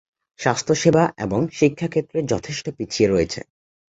স্বাস্থ্যসেবা এবং শিক্ষাক্ষেত্রে যথেষ্ট পিছিয়ে রয়েছে।